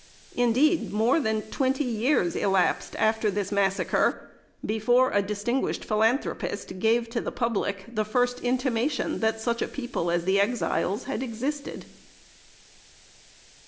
Indeed, more than twenty years elapsed after this massacre, before a distinguished Philanthropist gave to the public the first intimation that such a people as the Exiles had existed.